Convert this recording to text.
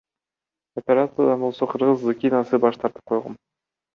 Операциядан болсо кыргыз Зыкинасы баш тартып койгон.